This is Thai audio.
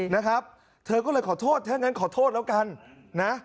นะครับเธอก็เลยขอโทษถ้างั้นขอโทษแล้วกันนะ